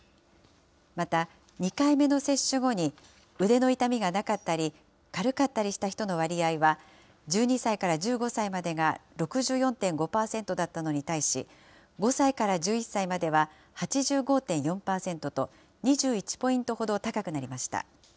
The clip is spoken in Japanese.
また２回目の接種後に腕の痛みがなかったり軽かったりした人の割合は、１２歳から１５歳までが６４．５％だったのに対し、５歳から１１歳までは８５．４％と、２１ポイントほど高くなりました。